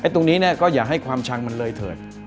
ตรงนี้ก็อย่าให้ความชังมันเลยเถิด